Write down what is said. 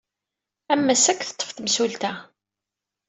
Am assa ad k-teṭṭef temsulta.